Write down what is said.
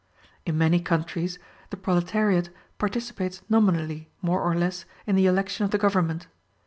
In many countries, the proletariat participates nominally, more or less, in the election of the government.